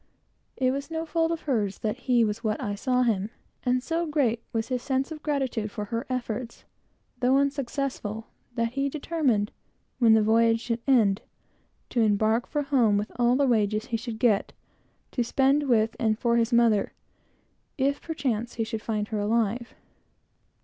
It was no fault of hers that he was what I saw him; and so great was his sense of gratitude for her efforts, though unsuccessful, that he determined, at the close of the voyage, to embark for home with all the wages he should get, to spend with and for his mother, if perchance he should find her alive.